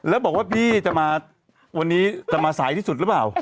แล้วบอกว่าพี่จะมาวันนี้จะมาสายที่สุดหรือเปล่า